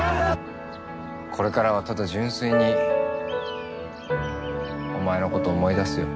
これからはただ純粋にお前の事思い出すよ。